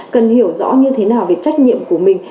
cần hiểu rõ như thế nào về trách nhiệm của mình